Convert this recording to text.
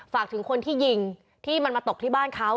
ฝากถึงคนที่ยิงที่มันมาตกที่บ้านเขา